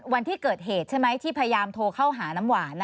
วันที่เกิดเหตุใช่ไหมที่พยายามโทรเข้าหาน้ำหวาน